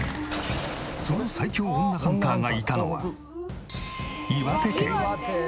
その最強女ハンターがいたのは。